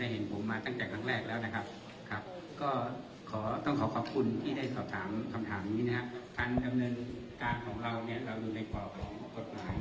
สำหรับสามคำถามนี้นะครับการดำเนินการของเราเนี่ยเรารู้ในกรอบของกฎหมาย